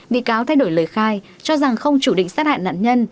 bị cáo thay đổi lời khai cho rằng không chủ định sát hại nạn nhân